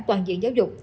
toàn diện giáo dục